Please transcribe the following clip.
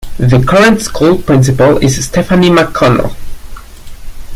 The current school principal is Stephanie McConnell.